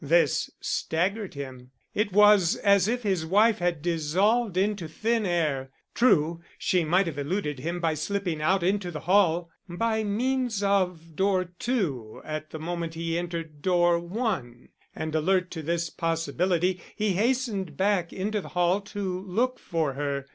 This staggered him. It was as if his wife had dissolved into thin air. True, she might have eluded him by slipping out into the hall by means of door two at the moment he entered door one; and alert to this possibility, he hastened back into the hall to look for her.